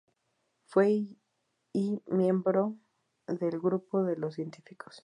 Fue y miembro del grupo de Los Científicos.